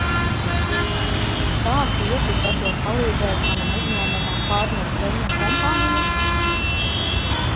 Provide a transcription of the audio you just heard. Kā tieši tas var palīdzēt manam uzņēmumam pārņemt Veina kompāniju?